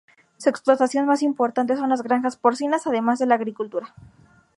Su explotación más importante son las granjas porcinas, además de la agricultura.